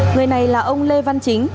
người này là ông lê văn chính